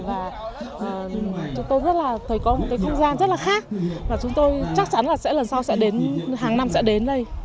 và chúng tôi rất là thấy có một cái không gian rất là khác và chúng tôi chắc chắn là lần sau hàng năm sẽ đến đây